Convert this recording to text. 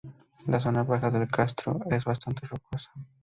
La zona baja del castro es bastante rocosa.